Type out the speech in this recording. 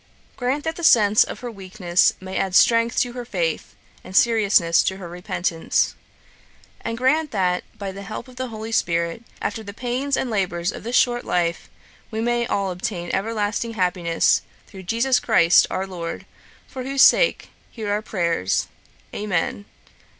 Grant that the sense of her weakness may add strength to her faith, and seriousness to her repentance. And grant that by the help of thy Holy Spirit, after the pains and labours of this short life, we may all obtain everlasting happiness, through JESUS CHRIST our Lord; for whose sake hear our prayers. Amen.